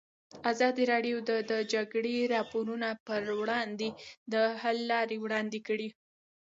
ازادي راډیو د د جګړې راپورونه پر وړاندې د حل لارې وړاندې کړي.